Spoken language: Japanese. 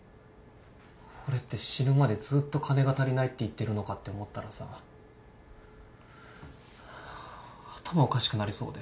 俺って死ぬまでずっと金が足りないって言ってるのかって思ったらさ頭おかしくなりそうで。